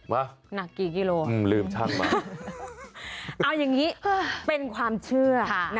มาหนักกี่กิโลลืมช่างมาเอาอย่างนี้เป็นความเชื่อ